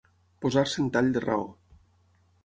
Posar-se en tall de raó.